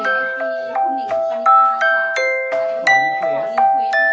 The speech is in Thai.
ได้ไหมคะ